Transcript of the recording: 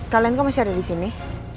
kalian kan masih ada di sini